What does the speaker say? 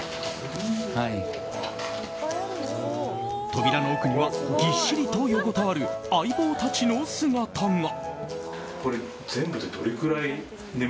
扉の奥にはぎっしりと横たわる相棒たちの姿が。